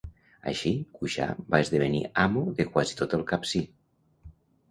Així, Cuixà va esdevenir amo de quasi tot el Capcir.